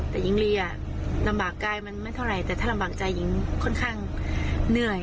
แต่หญิงลีอ่ะลำบากกายมันไม่เท่าไหร่แต่ถ้าลำบากใจหญิงค่อนข้างเหนื่อย